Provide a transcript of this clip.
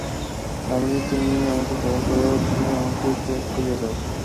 দামিনী, তুমি আমাকে দয়া করো, তুমি আমাকে ত্যাগ করিয়া যাও।